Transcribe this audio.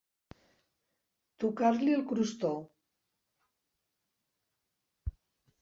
Tocar-li el crostó.